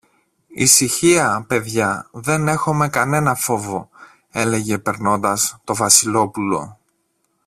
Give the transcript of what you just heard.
Ησυχία, παιδιά, δεν έχομε κανένα φόβο, έλεγε περνώντας το Βασιλόπουλο.